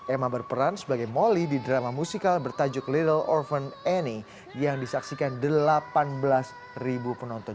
emma berperan sebagai moli di drama musikal bertajuk little oven any yang disaksikan delapan belas ribu penonton